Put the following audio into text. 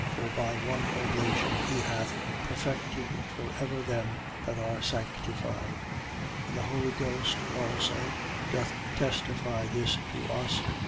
10:14. For by one oblation he hath perfected for ever them that are sanctified. 10:15. And the Holy Ghost also doth testify this to us.